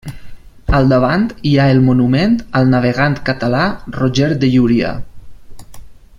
Al davant hi ha el monument al navegant català Roger de Llúria.